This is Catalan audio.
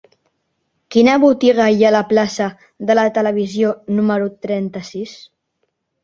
Quina botiga hi ha a la plaça de la Televisió número trenta-sis?